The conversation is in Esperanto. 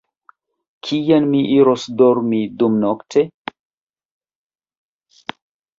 Kien mi iros dormi dumnokte?